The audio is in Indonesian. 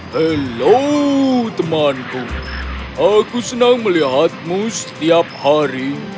halo temanku aku senang melihatmu setiap hari